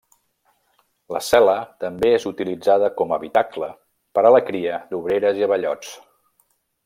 La cel·la també és utilitzada com habitacle per a la cria d'obreres i abellots.